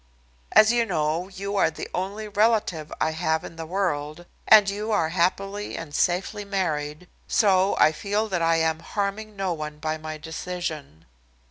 As you know you are the only relative I have in the world, and you are happily and safely married, so I feel that I am harming no one by my decision.